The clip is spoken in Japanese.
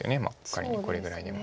仮にこれぐらいでも。